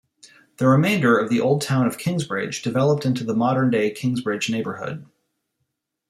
The remainder of the old Town of Kingsbridge developed into the modern-day Kingsbridge neighborhood.